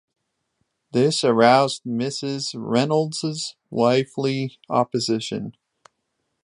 This aroused Mrs. Reynolds's wifely opposition.